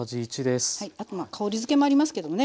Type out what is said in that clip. あとまあ香りづけもありますけどもね